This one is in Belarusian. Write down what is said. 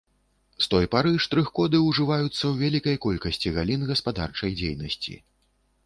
З той пары штрых-коды ўжываюцца ў вялікай колькасці галін гаспадарчай дзейнасці.